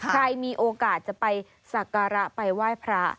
ใครมีโอกาสจะไปสักการะไปไหว้พระ